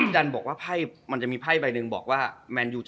เรูกว่าต้องมีเป้าของแมนยู